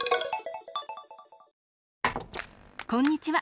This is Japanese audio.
こんにちは！